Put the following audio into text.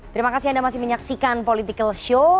terima kasih anda masih menyaksikan political show